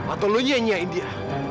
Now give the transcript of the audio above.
atau lo nyanyiin dia